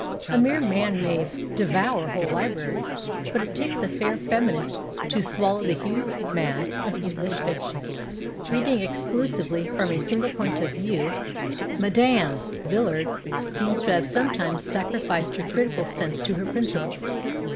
A mere man may " devour whole libraries," but it takes a fair feminist to swallow the huge mass of English ik'tion. 285 PASTICHE AND PREJUDICE Reading exclusively from a single point of view, Mme. Villard seems to have sometimes sacrificed her critical sense to her principles.